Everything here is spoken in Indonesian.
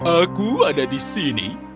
aku ada di sini